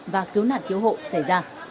và cứu nạn cứu hộ xảy ra